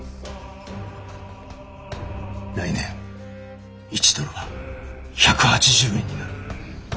来年１ドルは１８０円になる。